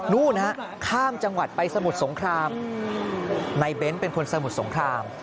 นู่นฮะข้ามจังหวัดไปสมุทรสงครามในเบ้นเป็นคนสมุทรสงคราม